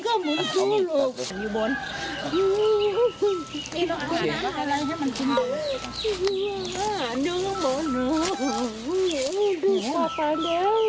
น้องแทบลงสู้ลง